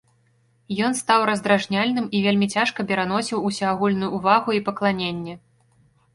Ён стаў раздражняльным і вельмі цяжка пераносіў усеагульную ўвагу і пакланенне.